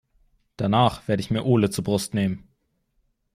Danach werde ich mir Ole zur Brust nehmen.